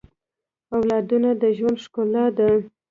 اولادونه د ژوند ښکلا ده